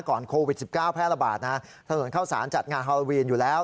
โควิด๑๙แพร่ระบาดนะถนนเข้าสารจัดงานฮาโลวีนอยู่แล้ว